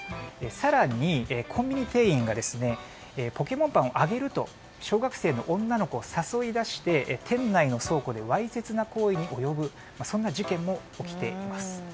更に、コンビニ店員がポケモンパンをあげると小学生の女の子を誘い出して店内の倉庫でわいせつな行為に及ぶという事件も起きています。